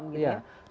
ada pertemuan gitu ya